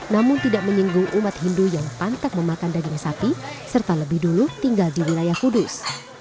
namun tidak menyinggung umat hindu yang pantas memakan daging sapi serta lebih dulu tinggal di wilayah kudus